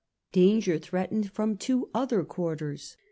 Danger threatened from two other quarters.